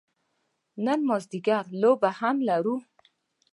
نن مازدیګر لوبه هم لرو.